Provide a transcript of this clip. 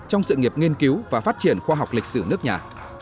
trong sự nghiệp nghiên cứu và phát triển khoa học lịch sử nước nhà